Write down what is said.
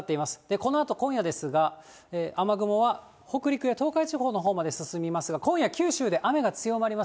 このあと、今夜ですが、雨雲は北陸や東海地方のほうまで進みますが、今夜、九州で雨が強まります。